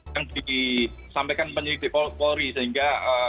yang disampaikan penyelidik polri sehingga